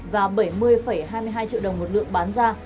và bảy mươi hai mươi hai triệu đồng một lượng bán ra